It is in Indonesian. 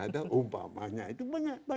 ada umpamanya itu banyak